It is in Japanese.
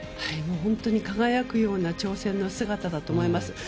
本当に輝くような挑戦の姿だと思います。